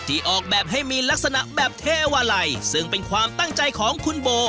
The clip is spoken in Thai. ออกแบบให้มีลักษณะแบบเทวาลัยซึ่งเป็นความตั้งใจของคุณโบ